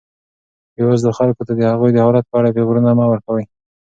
بېوزلو خلکو ته د هغوی د حالت په اړه پېغورونه مه ورکوئ.